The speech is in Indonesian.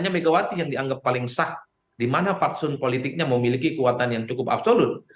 megawati yang dianggap paling sah dimana faksun politiknya memiliki kekuatan yang cukup absolut